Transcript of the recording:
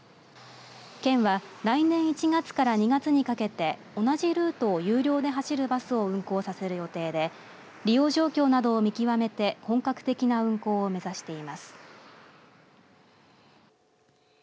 県は来年１月から２月にかけて同じルートを有料で走るバスを運行させる予定で利用状況などを見極めて本格的な運行を目指しています。